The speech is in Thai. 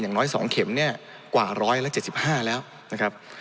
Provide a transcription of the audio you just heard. อย่างน้อยสองเข็มเนี้ยกว่าแรงเลยเจ็บห้าแล้วนะครับ